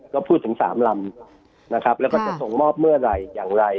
ก็พูดถึง๓ลำนะครับแล้วก็จะส่งมอบเมื่อไหร่อย่างไร